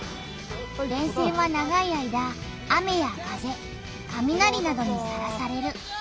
電線は長い間雨や風かみなりなどにさらされる。